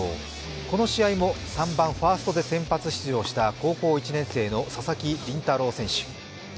この試合も３番・ファーストで先発出場した高校１年生の佐々木麟太郎選手。